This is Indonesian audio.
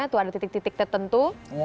atau ada titik titik tertentu